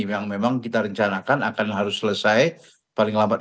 yang memang kita rencanakan akan harus selesai paling lambat